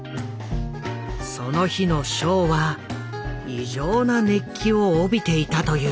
その日のショーは異常な熱気を帯びていたという。